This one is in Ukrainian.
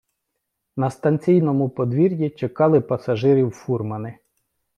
На станційному подвір'ї чекали пасажирів фурмани.